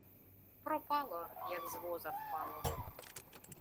Пропало, як з воза впало.